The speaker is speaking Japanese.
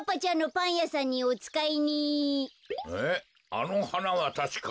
あのはなはたしか。